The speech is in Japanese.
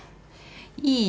いいよ。